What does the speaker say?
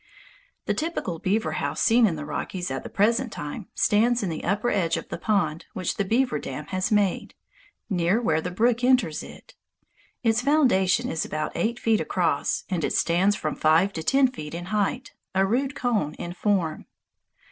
The typical beaver house seen in the Rockies at the present time stands in the upper edge of the pond which the beaver dam has made, near where the brook enters it. Its foundation is about eight feet across, and it stands from five to ten feet in height, a rude cone in form.